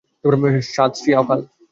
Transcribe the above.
সাত শ্রী আকাল!